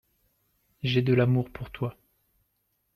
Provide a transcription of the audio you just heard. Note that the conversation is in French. J'ai de l'amour pour toi.